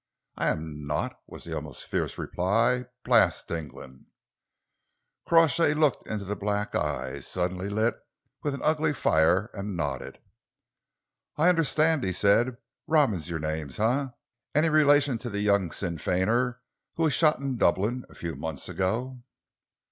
"I am not!" was the almost fierce reply. "Blast England!" Crawshay looked into the black eyes, suddenly lit with an ugly fire, and nodded. "I understand," he said. "Robins, your name, eh? Any relation to the young Sinn Feiner who was shot in Dublin a few months ago?"